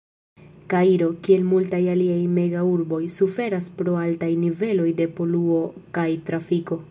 Kairo, kiel multaj aliaj mega-urboj, suferas pro altaj niveloj de poluo kaj trafiko.